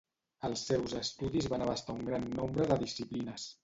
Els seus estudis van abastar un gran nombre de disciplines.